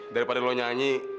daripada lo nyanyi